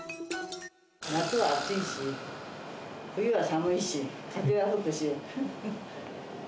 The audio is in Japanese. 夏は暑いし、冬は寒いし、風は吹くし。